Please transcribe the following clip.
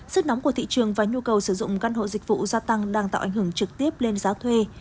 sức nóng của thị trường và nhu cầu sử dụng căn hộ dịch vụ gia tăng đang tạo ảnh hưởng trực tiếp lên giá thuê